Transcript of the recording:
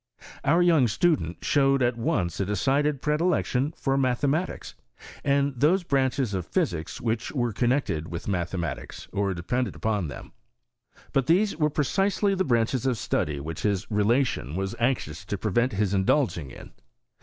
Our young student showed at once a decided predilection for mathematics, and tbosebranclies of physics which were connected with mathematics, or depended upon them. But these were precisely the bi anches of study which his re lation was anxious to prevent his indulging in.